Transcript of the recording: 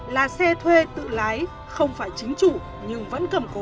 là xe thuê tự lái không phải chính chủ nhưng vẫn cầm cố